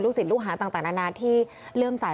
ลูกสินลูกหาต่างนานาที่เริ่มสาย